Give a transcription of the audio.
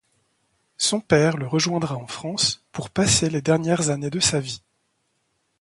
Son père le rejoindra en France pour passer les dernières années de sa vie.